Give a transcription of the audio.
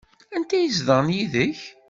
Anti ay izedɣen yid-k?